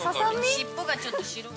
尻尾がちょっと白い。